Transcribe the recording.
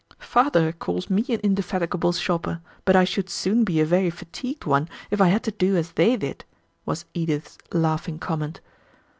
"Father calls me an indefatigable shopper, but I should soon be a very fatigued one if I had to do as they did," was Edith's laughing comment.